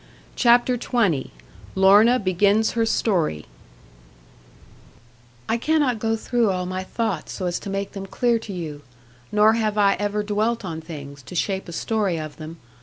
CHAPTER XX LORNA BEGINS HER STORY 'I cannot go through all my thoughts so as to make them clear to you, nor have I ever dwelt on things, to shape a story of them.